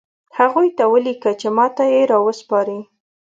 هغوی ته ولیکه چې ماته یې راوسپاري